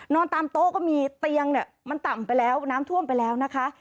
นอนตามโต๊ะก็มีเตียงเนี่ยมันต่ำไปแล้วน้ำท่วมไปแล้วนะคะ